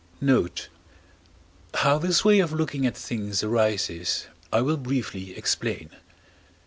Note. How this way of looking at things arises, I will briefly explain.